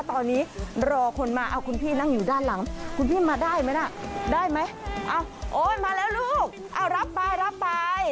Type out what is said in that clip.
ตอนนี้รอคนมาเอาคุณพี่นั่งอยู่ด้านหลังคุณพี่มาได้ไหมน่ะได้ไหมเอาโอ๊ยมาแล้วลูกเอารับไปรับไป